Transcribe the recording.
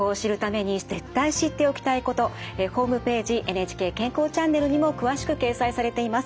「ＮＨＫ健康チャンネル」にも詳しく掲載されています。